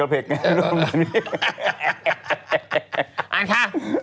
อ่านค่ะ